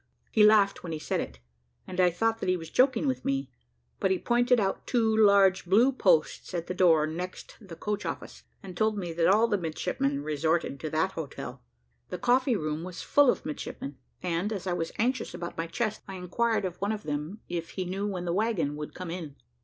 He laughed when he said it, and I thought that he was joking with me; but he pointed out two, large blue posts at the door next the coach office, and told me that all the midshipmen resorted to that hotel. The coffee room was full of midshipmen, and, as I was anxious about my chest, I enquired of one of them if he knew when the waggon would come in.